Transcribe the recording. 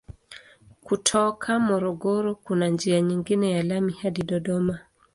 Kutoka Morogoro kuna njia nyingine ya lami hadi Dodoma.